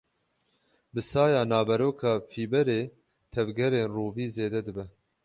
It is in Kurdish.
Bi saya naveroka fîberê, tevgerên rûvî zêde dibe.